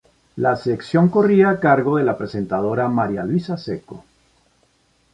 La sección corría a cargo de la presentadora María Luisa Seco.